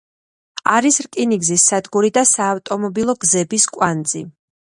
არის რკინიგზის სადგური და საავტომობილო გზების კვანძი.